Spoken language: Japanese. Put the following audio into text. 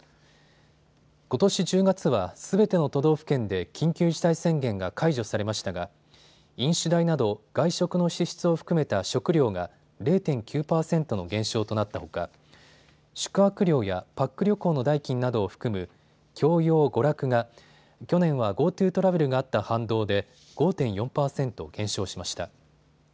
ことし１０月はすべての都道府県で緊急事態宣言が解除されましたが飲酒代など外食の支出を含めた食料が０．９％の減少となったほか宿泊料やパック旅行の代金などを含む教養娯楽が去年はＧｏＴｏトラベルがあった反動で５．４％減少しました。